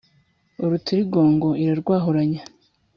Urutirigongo irarwahuranya,